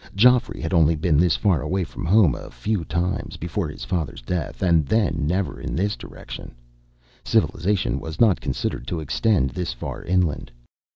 Geoffrey had only been this far away from his home a few times, before his father's death, and then never in this direction. Civilization was not considered to extend this far inland.